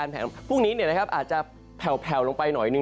พรุ่งนี้อาจจะแผ่วลงไปหน่อยนึ